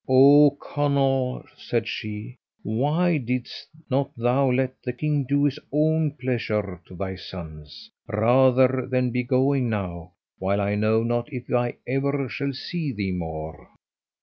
"Oh, Conall," said she, "why didst not thou let the king do his own pleasure to thy sons, rather than be going now, while I know not if ever I shall see thee more?"